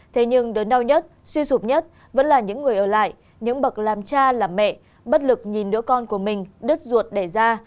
thế nhưng đớn đau nhất suy sụp nhất vẫn là những người ở lại những bậc làm cha làm mẹ bất lực nhìn đứa con của mình đứt ruột đẻ ra